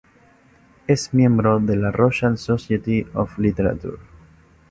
Es miembro de la "Royal Society of Literature".